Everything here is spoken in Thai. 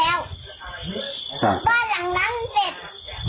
แล้วตัวบ้านหลังนั้นเสร็จ